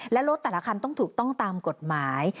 และรถแต่ละคันต้องถูกต้องตามกฎหมาย